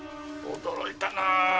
驚いたなぁ。